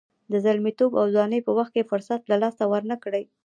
د زلمیتوب او ځوانۍ په وخت کې فرصت له لاسه ورنه کړئ.